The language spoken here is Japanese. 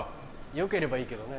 良ければいいけどね。